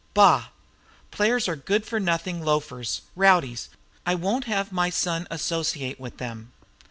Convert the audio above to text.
"Bah. Players are good for nothing loafers, rowdies. I won't have my son associate with them."